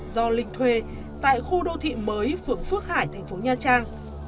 do linh thuê tại khu đô thị mới phượng phước hải thành phố nha trang